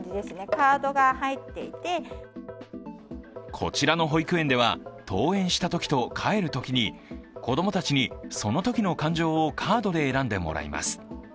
こちらの保育園では登園したときと帰るときに子供たちにそのときの感情をカードで選んでもらいます。